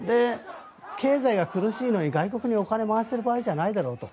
経済が苦しいのに外国にお金を回している場合じゃないだろうと。